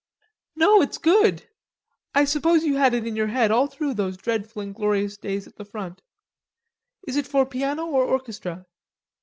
"No, it's good. I suppose you had it in your head all through those dreadful and glorious days at the front.... Is it for piano or orchestra?"